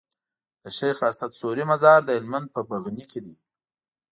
د شيخ اسعد سوري مزار د هلمند په بغنی کي دی